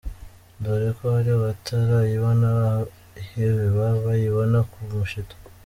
Dore ko hari abatarayibona ihebeba bayibona ku mushito, .